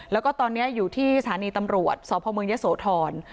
แล้วก็ตอนนี้อยู่ที่สถานีตำรวจสพมยศทร